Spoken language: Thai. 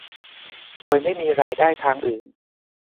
โดยไม่มีรายได้ทางอื่น